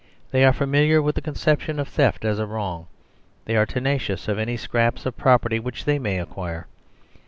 They are familiar with the conception of theft as a wrong; they are ten acious of any scraps of property which they may ac quire.